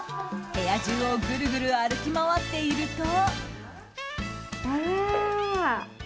部屋中をぐるぐる歩き回っていると。